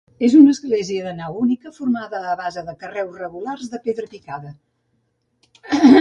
És una església de nau única, formada a base de carreus regulars de pedra picada.